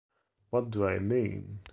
What do I mean?